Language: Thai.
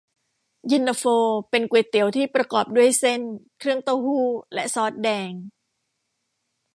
เย็นตาโฟเป็นก๋วยเตี๋ยวที่ประกอบด้วยเส้น เครื่องเต้าหู้ และซอสแดง